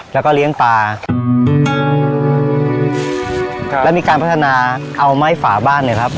แล้วก็เลี้ยงปลาครับแล้วมีการพัฒนาเอาไม้ฝาบ้านเนี้ยครับ